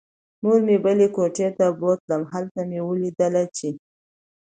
مور مې بلې کوټې ته بوتلم. هلته مې ولیدله چې